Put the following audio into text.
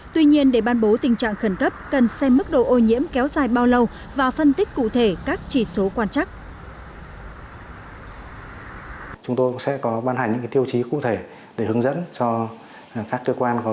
tuy nhiên để ban bố tình trạng khẩn cấp cần xem mức độ ô nhiễm kéo dài bao lâu và phân tích cụ thể các chỉ số quan trắc